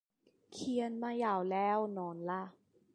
เขียนมายาวแล้ว นอนละ